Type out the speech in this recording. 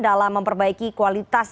dalam memperbaiki kualitas